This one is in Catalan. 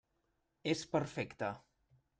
És perfecte.